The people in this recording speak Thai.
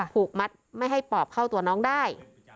ถูกมัดไม่ให้ปอบเข้าตัวน้องได้